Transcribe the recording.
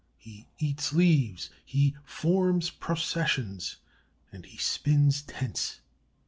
He eats leaves, he forms processions, and he spins tents.